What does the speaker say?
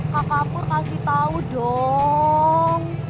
kakak kur kasih tau dong